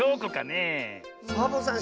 サボさん